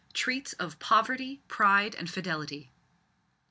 TREATS OF POVERTY, PRIDE, AND FIDELITY.